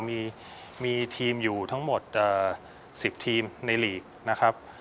มีทีมอยู่ทั้งหมด๑๐ทีมในลีกนะครับ